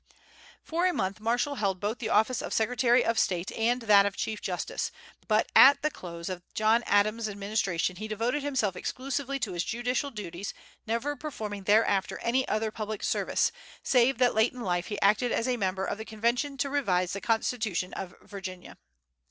For a month Marshall held both the office of Secretary of State and that of Chief Justice; but at the close of John Adams' administration he devoted himself exclusively to his judicial duties, never performing thereafter any other public service, save that late in life he acted as a member of the convention to revise the Constitution of Virginia.